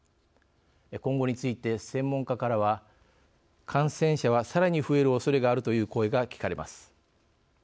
今後について専門家からは「感染者はさらに増えるおそれがある」という声が聞かれます。